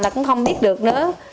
là cũng không biết được nữa